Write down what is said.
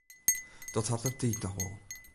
Dat hat de tiid noch wol.